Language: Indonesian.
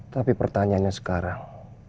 tapi pertanyaannya sekarang